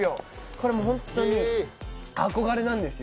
これもう本当にね、憧れなんですよ